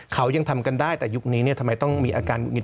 เขายังทำกันได้แต่ยุคนี้เนี่ยทำไมต้องมีอาการหุดหงิ